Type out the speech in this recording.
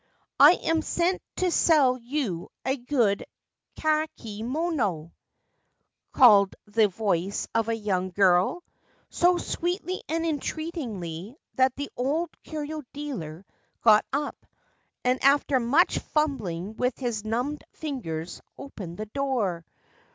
I am sent to sell you a good kakemono,' 1 called the voice of a young girl, so sweetly and entreatingly that the old curio dealer got up, and after much fumbling with his numbed fingers opened the door.